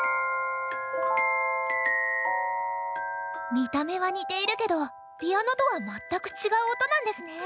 見た目は似ているけどピアノとは全く違う音なんですね。